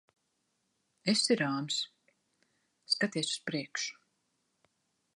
Esi rāms. Skaties uz priekšu.